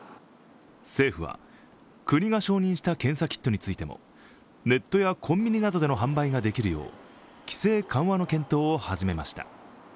政府は、国が承認した検査キットについてもネットやコンビニなどでの販売ができるよう規制緩和の検討を始めました。